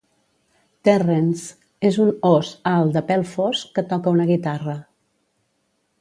Terrence: és un ós alt de pèl fosc que toca una guitarra.